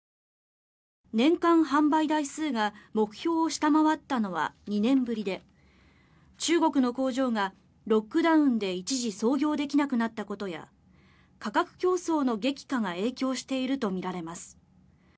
年間販売台数が目標を下回ったのは２年ぶりで中国の工場がロックダウンで一時操業できなくなったことや価格競争の激化が影響しているとみられます。